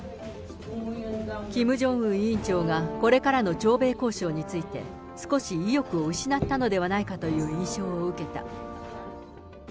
キム・ジョンウン委員長が、これからの朝米交渉について少し意欲を失ったのではないかという印象を受けた。